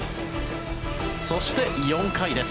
そして、４回です。